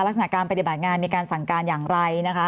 ลักษณะการปฏิบัติงานมีการสั่งการอย่างไรนะคะ